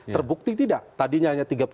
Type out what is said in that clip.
terbukti tidak tadinya hanya tiga puluh